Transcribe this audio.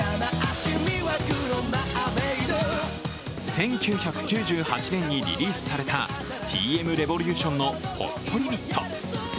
１９９８年にリリースされたＴ．Ｍ．Ｒｅｖｏｌｕｔｉｏｎの「ＨＯＴＬＩＭＩＴ」。